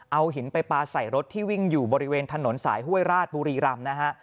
เอาหินไปปลาใส่รถที่วิ่งอยู่บริเวณถนนสายห้วยราชบุรีรำนะฮะ